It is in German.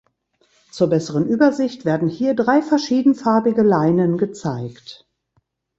Zur besseren Übersicht werden hier drei verschiedenfarbige Leinen gezeigt.